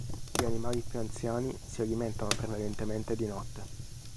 Gli animali più anziani si alimentano prevalentemente di notte.